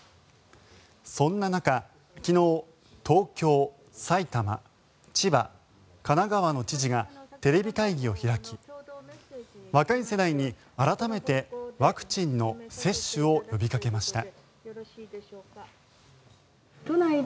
そんな中、昨日東京、埼玉、千葉、神奈川の知事がテレビ会議を開き若い世代に改めてワクチンの接種を呼びかけました。